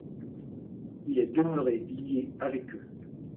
Il est demeuré lié avec eux.